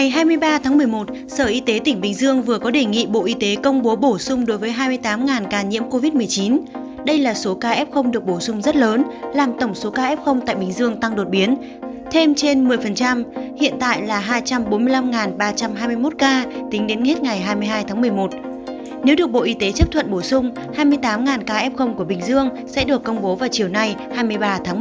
hãy đăng ký kênh để ủng hộ kênh của chúng mình nhé